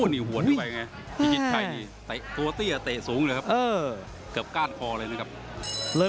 นี่หัวปล่อยมาไง